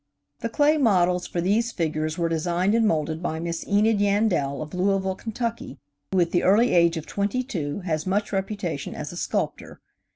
The clay models for these figures were designed and molded by Miss Enid Yandell, of Louisville, Kentucky, who at the early age of twenty two has much reputation as a sculptor.